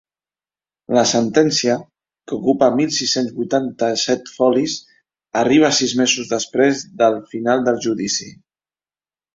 La sentència, que ocupa mil sis-cents vuitanta-set folis, arriba sis mesos després del final del judici.